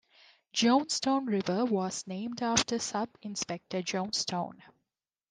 Johnstone River was named after Sub Inspector Johnstone.